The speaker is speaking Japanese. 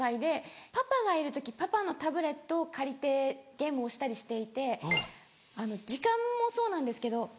パパがいる時パパのタブレットを借りてゲームをしたりしていて時間もそうなんですけど。